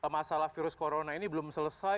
masalah virus corona ini belum selesai